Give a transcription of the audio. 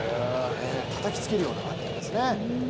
たたきつけるようなバッティングですね。